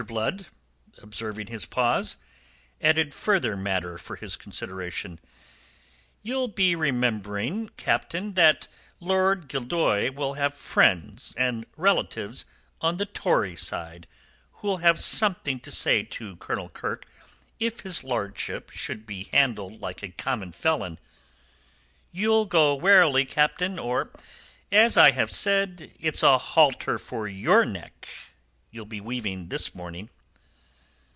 Blood, observing his pause, added further matter for his consideration. "Ye'll be remembering, Captain, that Lord Gildoy will have friends and relatives on the Tory side, who'll have something to say to Colonel Kirke if his lordship should be handled like a common felon. You'll go warily, Captain, or, as I've said, it's a halter for your neck ye'll be weaving this morning."